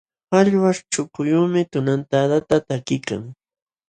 Qallwaśh chukuyuqmi tunantadata takiykan.